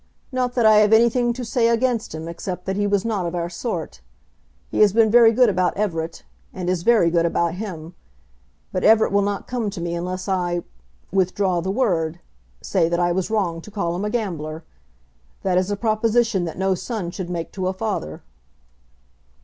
Not that I have anything to say against him except that he was not of our sort. He has been very good about Everett, and is very good about him. But Everett will not come to me unless I withdraw the word; say that I was wrong to call him a gambler. That is a proposition that no son should make to a father."